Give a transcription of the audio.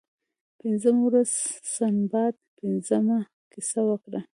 پنځمه ورځ سنباد پنځمه کیسه وکړه.